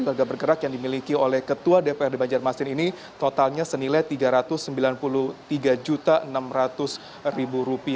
harga bergerak yang dimiliki oleh ketua dprd banjarmasin ini totalnya senilai rp tiga ratus sembilan puluh tiga enam ratus